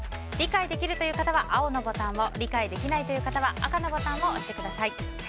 理解できるという方は青のボタンを理解できないという方は赤のボタンを押してください。